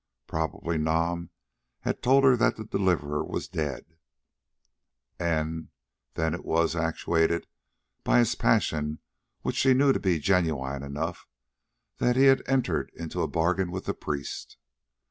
Probably Nam had told her that the Deliverer was dead, and then it was, actuated by his passion which she knew to be genuine enough, that he had entered into a bargain with the priest.